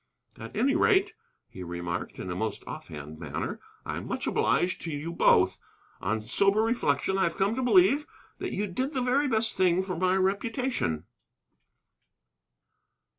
"At any rate," he remarked in his most offhand manner, "I am much obliged to you both. On sober reflection I have come to believe that you did the very best thing for my reputation."